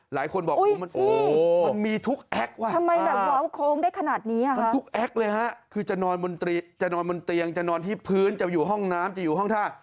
หลายคนบอกมันมีทุกแอคว่ะครับมันทุกแอคเลยครับคือจะนอนบนเตียงจะนอนที่พื้นจะอยู่ห้องน้ำจะอยู่ห้องท่า